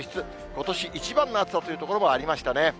ことし一番の暑さという所もありましたね。